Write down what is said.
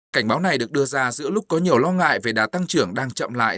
cảnh báo này được đưa ra giữa lúc có nhiều lo ngại về đá tăng trưởng đang chậm lại